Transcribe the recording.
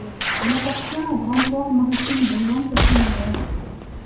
Elle appartient au Grand port maritime de Nantes-Saint-Nazaire.